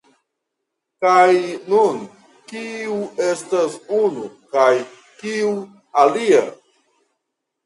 Kaj nun kiu estas unu kaj kiu alia?